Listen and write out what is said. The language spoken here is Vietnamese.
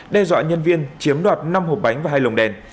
đe dọa nhân viên chiếm đoạt năm hộp bánh và hai lồng đèn